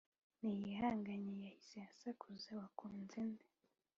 ntiyihanganye yahise asakuza wakunze nde